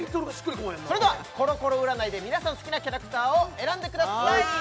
こうへんなそれではコロコロ占いで皆さん好きなキャラクターを選んでください